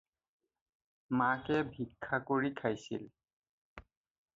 মাকে ভিক্ষা কৰি খাইছিল।